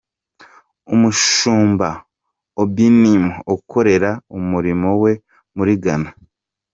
Umushumba Obinim akorera umurimo we muri Ghana.